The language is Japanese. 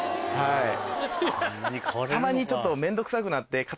たまにちょっと。